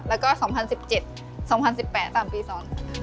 แล้วก็๒๐๑๗๒๐๑๘๓ปี๒ค่ะ